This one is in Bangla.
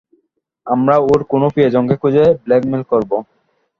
আমরা ওর কোনো প্রিয়জনকে খুঁজে ব্ল্যাকমেইল করব।